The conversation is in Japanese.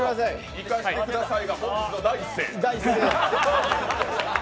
行かせてくださいが本日の第一声。